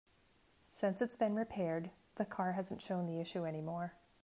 Since it's been repaired, the car hasn't shown the issue any more.